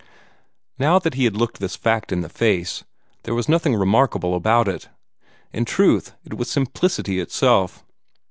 Now that he looked this fact in the face, there was nothing remarkable about it. In truth, it was simplicity itself.